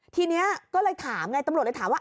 ทีนี้ก็เลยถามไงตำรวจเลยถามว่า